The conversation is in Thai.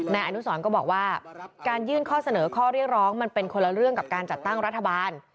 นายอนุสรก็บอกว่าการยื่นข้อเสนอข้อเรียกร้องมันเป็นคนละเรื่องกับการจัดตั้งรัฐบาล